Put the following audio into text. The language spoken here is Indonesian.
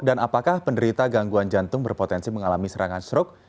dan apakah penderita gangguan jantung berpotensi mengalami serangan strok